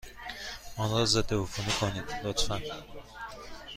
آن را ضدعفونی کنید، لطفا.